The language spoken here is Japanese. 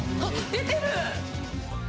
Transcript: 出てる。